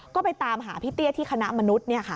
ก็ไปตามหาพี่เตี้ยที่คณะมนุษย์